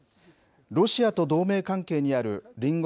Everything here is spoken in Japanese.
ロシアと同盟関係にある隣国